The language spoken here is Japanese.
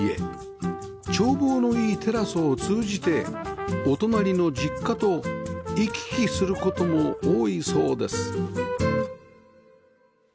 眺望のいいテラスを通じてお隣の実家と行き来する事も多いそうです